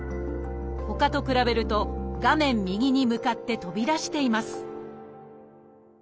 ほかと比べると画面右に向かって飛び出しています